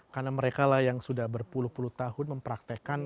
karena mereka lah yang sudah berpuluh puluh tahun mempraktekkan